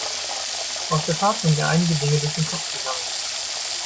Auf der Fahrt sind mir einige Dinge durch den Kopf gegangen.